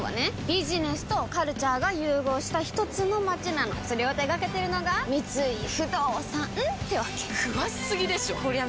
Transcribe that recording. ビジネスとカルチャーが融合したひとつの街なのそれを手掛けてるのが三井不動産ってわけ詳しすぎでしょこりゃ